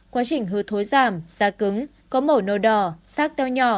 quá trình hư thối giảm da cứng có màu nâu đỏ sát teo nhỏ